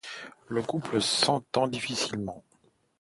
Le couple s'entend difficilement.